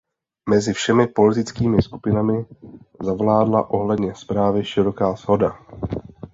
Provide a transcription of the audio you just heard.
Mezi všemi politickými skupinami zavládla ohledně zprávy široká shoda.